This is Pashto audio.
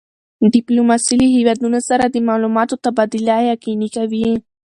ډیپلوماسي له هېوادونو سره د معلوماتو تبادله یقیني کوي.